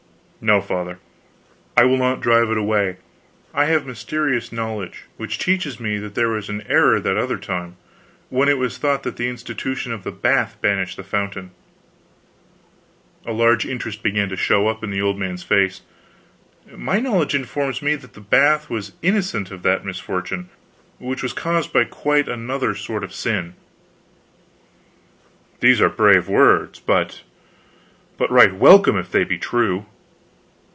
"No, Father, I will not drive it away. I have mysterious knowledge which teaches me that there was an error that other time when it was thought the institution of the bath banished the fountain." A large interest began to show up in the old man's face. "My knowledge informs me that the bath was innocent of that misfortune, which was caused by quite another sort of sin." "These are brave words but but right welcome, if they be true."